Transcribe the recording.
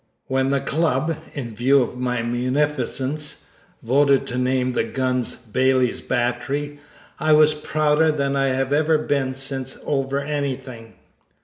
When the club, in view of my munificence, voted to name the guns Bailey's Battery I was prouder than I have ever been since over anything.